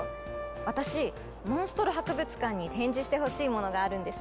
私モンストロ博物館に展示してほしいものがあるんです。